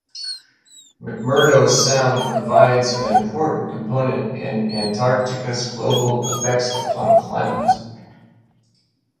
McMurdo Sound provides an important component in Antarctica's global effects upon climate.